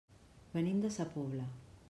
Venim de sa Pobla.